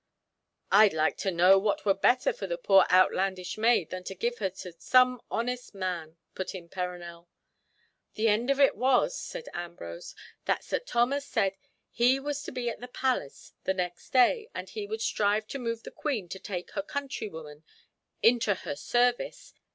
'" "I'd like to know what were better for the poor outlandish maid than to give her to some honest man," put in Perronel. "The end of it was," said Ambrose, "that Sir Thomas said he was to be at the palace the next day, and he would strive to move the Queen to take her countrywoman into her service.